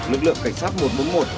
lực lượng cảnh sát một trăm bốn mươi một